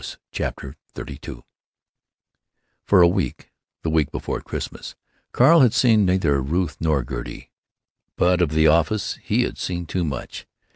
CHAPTER XXXII or a week—the week before Christmas—Carl had seen neither Ruth nor Gertie; but of the office he had seen too much.